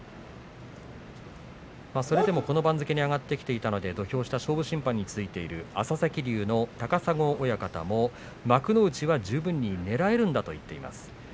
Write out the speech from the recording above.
それでもこの番付に上がってきていたので勝負審判についている朝赤龍の高砂親方も幕内は十分にねらえるんだと言っています。